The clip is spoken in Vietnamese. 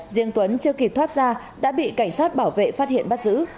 riêng tuấn chưa kịp thoát ra đã bị cảnh sát bảo vệ phát hiện bắt giữ